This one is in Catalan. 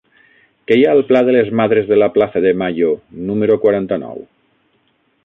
Què hi ha al pla de les Madres de la Plaza de Mayo número quaranta-nou?